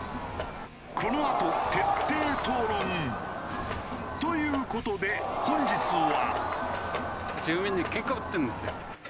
このあと徹底討論。という事で本日は。